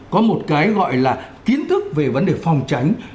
có một cái gọi là kiến thức về vấn đề phòng tránh